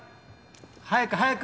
早く早く！